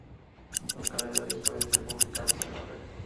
Los calendarios pueden ser publicados en la red.